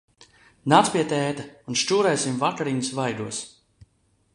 Nāc pie tēta, un šķūrēsim vakariņas vaigos!